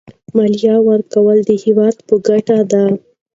مالیه ورکول د هېواد په ګټه دي.